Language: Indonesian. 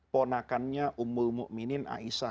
ponakannya ummul mu'minin aisyah